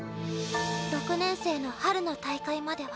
６年生の春の大会までは。